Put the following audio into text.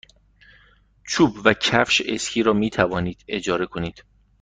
چوب و کفش اسکی را می توانید اجاره کنید.